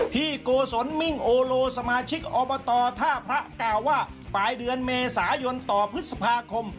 โกศลมิ่งโอโลสมาชิกอบตท่าพระกล่าวว่าปลายเดือนเมษายนต่อพฤษภาคม